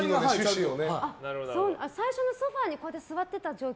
最初のソファに座ってた状況